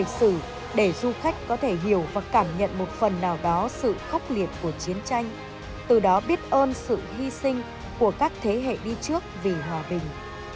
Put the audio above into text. đi tích chiến trường điện biên phủ vẫn luôn là điểm hẹn lịch sử để du khách có thể hiểu và cảm nhận một phần nào đó sự khốc liệt của chiến tranh từ đó biết ơn sự hy sinh của các thế hệ đi trước vì hòa bình